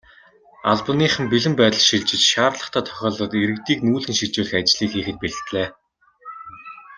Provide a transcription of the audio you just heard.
Албаныхан бэлэн байдалд шилжиж, шаардлагатай тохиолдолд иргэдийг нүүлгэн шилжүүлэх ажлыг хийхэд бэлдлээ.